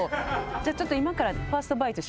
じゃあちょっと今から。